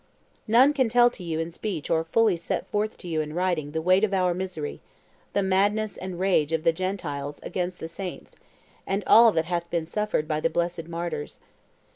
"None can tell to you in speech or fully set forth to you in writing the weight of our misery, the madness and rage of the Gentiles against the saints, and all that hath been suffered by the blessed martyrs.